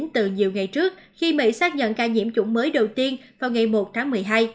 từ nhiều ngày trước khi mỹ xác nhận ca nhiễm chủng mới đầu tiên vào ngày một tháng một mươi hai